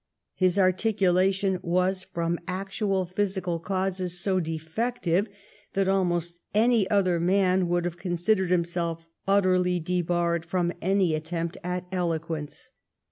His articulation was, from actual physical causes, so defective that almost any other man would have considered himself utterly debarred from any at tempt at eloquence.